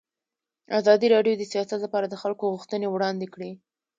ازادي راډیو د سیاست لپاره د خلکو غوښتنې وړاندې کړي.